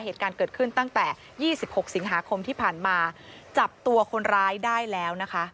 เหตุการณ์เกิดขึ้นตั้งแต่๒๖สิงหาคมที่ผ่านมาจับตัวคนร้ายได้แล้วนะคะ